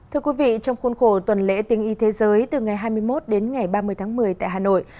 thưa quý vị trong khuôn khổ tuần lễ tiếng y thế giới từ ngày hai mươi một đến ngày ba mươi tháng một mươi tại hà nội